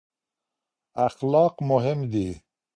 اخلاق مهم دي.